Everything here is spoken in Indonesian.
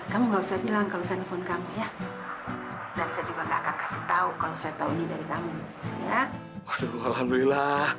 kamu nggak usah bilang kalau saya nelfon kamu ya